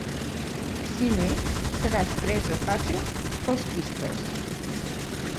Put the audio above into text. Si n'ets seràs presa fàcil per als pispes.